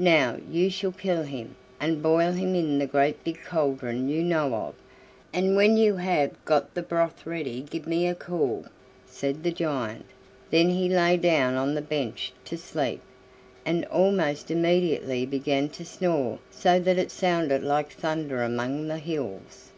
"Now you shall kill him, and boil him in the great big cauldron you know of, and when you have got the broth ready give me a call," said the giant; then he lay down on the bench to sleep, and almost immediately began to snore so that it sounded like thunder among the hills.